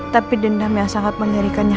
tapi dendam yang sangat mengerikannya